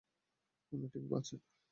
উনি ঠিক আছেন।